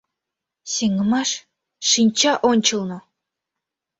Сеҥымаш – шинча ончылно.